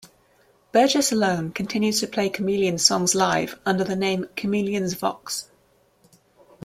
Burgess alone continues to play Chameleons songs live under the name ChameleonsVox.